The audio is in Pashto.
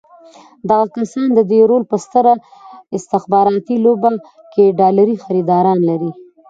دغه کسان د دې رول په ستره استخباراتي لوبه کې ډالري خریداران لري.